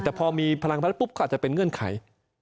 แต่พอมีพลังพัดปุ๊บก็อาจจะเป็นเงื่อนไข